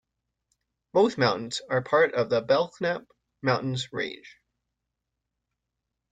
Both mountains are part of the Belknap Mountains range.